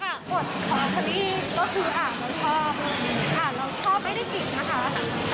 บทของเชอรี่ก็คือเราชอบเราชอบไม่ได้กลิ่นนะคะ